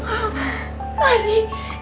aku sama adi